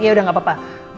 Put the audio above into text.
ya udah gak apa apa